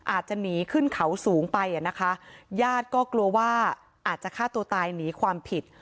อาจจะหนีขึ้นเขาสูงไปอ่ะนะคะญาติก็กลัวว่าอาจจะฆ่าตัวตายหนีความผิด